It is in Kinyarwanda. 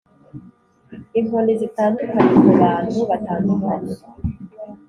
inkoni zitandukanye kubantu batandukanye